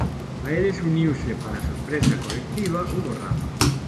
A eles uniuse, para sorpresa colectiva, Hugo Rama.